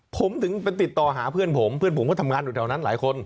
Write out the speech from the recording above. ผมถึงไปติดต่อหาเพื่อนผมเพื่อนผมก็ทำงานอยู่แถวนั้นหลายคน